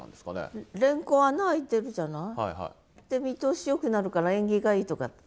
見通しよくなるから縁起がいいとかって。